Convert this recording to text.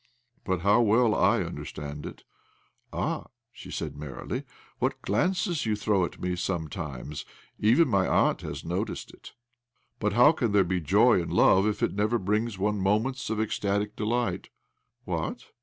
" But how well / understand it 1 "" Ah !" she said merrily. " What glances you throw at me sometimes I Even my aunt has noticed it." " But how can there be joy in love if it never brings one moments of ecstat'ic delight?" " What